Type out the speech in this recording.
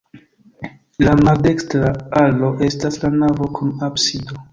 La maldekstra alo estas la navo kun absido.